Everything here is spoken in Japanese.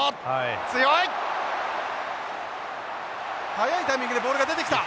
早いタイミングでボールが出てきた！